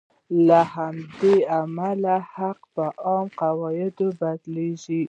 له همدې امله حقوق په عامو قاعدو بدلیږي.